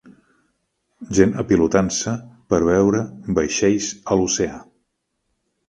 Gent apilotant-se per veure vaixells a l'oceà.